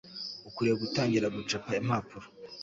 Ukwiriye gutangira gucapa impapuro